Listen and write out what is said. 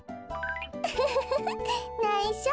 ウフフフフないしょ。